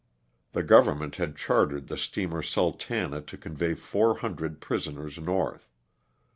The government had chartered the steamer " Sultana" to convey 400 prisoners north.